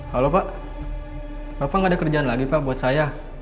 halo pak bapak nggak ada kerjaan lagi pak buat saya